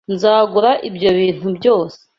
Nzagura ibyo bintu byose.